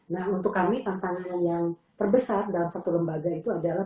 nah untuk kami tantangan yang terbesar dalam satu lembaga itu adalah